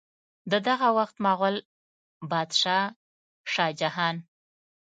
د دغه وخت مغل بادشاه شاه جهان